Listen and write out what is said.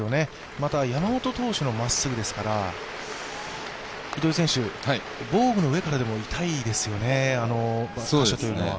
また山本投手のまっすぐですから、糸井選手、防具の上からでも痛いですよね、あの場所というのは。